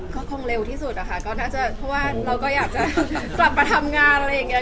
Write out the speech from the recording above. ก็คงเร็วที่สุดอะค่ะก็น่าจะเพราะว่าเราก็อยากจะกลับมาทำงานอะไรอย่างนี้